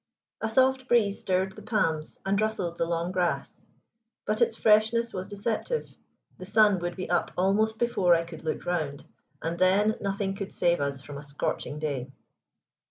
A soft, breeze stirred the palms and rustled the long grass, but its freshness was deceptive; the sun would be up almost before I could look round, and then nothing could save us from a scorching day.